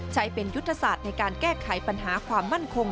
ใช้เป็นยุทธศาสตร์ในการแก้ไขปัญหาความมั่นคง